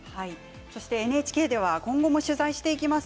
ＮＨＫでは今後も取材をしていきます。